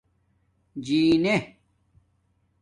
جینے